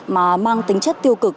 mà mang tính chất tiêu cực